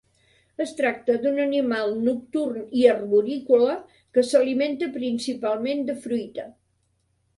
Es tracta d'un animal nocturn i arborícola que s'alimenta principalment de fruita.